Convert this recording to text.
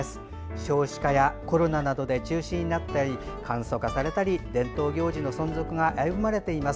少子化や、コロナなどで中止になったり簡素化されたり伝統行事の存続が危ぶまれています。